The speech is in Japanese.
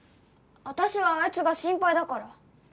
私はあいつが心配だから。